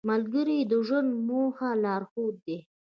ملګری د ژوند د موخو لارښود دی